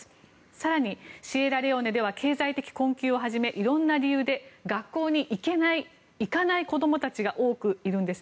更に、シエラレオネでは経済的困窮をはじめいろんな理由で、学校に行けない行かない子供たちが多くいるんです。